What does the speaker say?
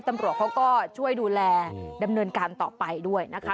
ตำรวจเขาก็ช่วยดูแลดำเนินการต่อไปด้วยนะคะ